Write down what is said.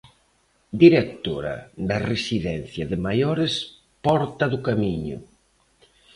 Directora da Residencia de Maiores Porta do Camiño.